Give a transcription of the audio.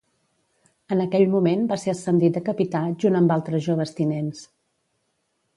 En aquell moment va ser ascendit a capità junt amb altres joves tinents.